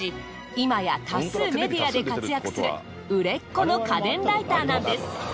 今や多数メディアで活躍する売れっ子の家電ライターなんです。